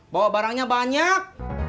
bawa barangnya banyak